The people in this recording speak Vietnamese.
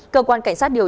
cơ quan cảnh sát điều